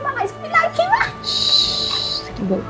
mau ismi lagi ma